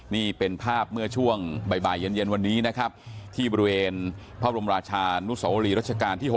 นี่เป็นภาพเมื่อช่วงบ่ายเย็นวันนี้ที่บริเวณเพราะบรมราชาต้นที่๖